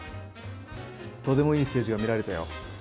とてもいいステージが見られたよ。